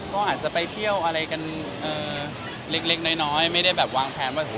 ก็อาจจะไปเที่ยวอะไรกันเอ่อเล็กเล็กน้อยน้อยไม่ได้แบบวางแทนว่าโห